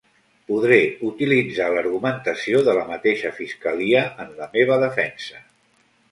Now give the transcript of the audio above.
Podré utilitzar l’argumentació de la mateixa fiscalia en la meva defensa.